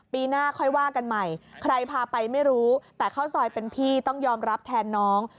ปีหน้าค่อยว่ากันใหม่ใครพาไปไม่รู้แต่ข้าวซอยเป็นพี่ต้องยอมรับแทนน้อง